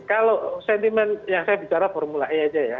kalau sentimen yang saya bicara formula e aja ya